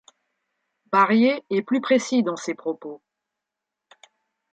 Barrier est plus précis dans ses propos.